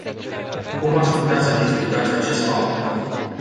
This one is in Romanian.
Cum ați putea să ne explicați acest fapt?